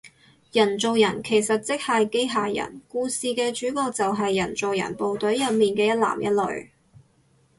人造人其實即係機械人，故事嘅主角就係人造人部隊入面嘅一男一女